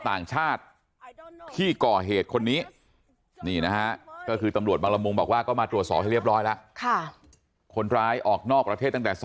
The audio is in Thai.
ต่างชาติที่ก่อเหตุคนนี้นี่นะฮะก็คือตำรวจบางละมุงบอกว่าก็มาตรวจสอบให้เรียบร้อยแล้วคนร้ายออกนอกประเทศตั้งแต่